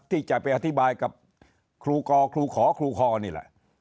ที่จะไปอธิบายกับครูกอครูขอครูคอนี่แหละ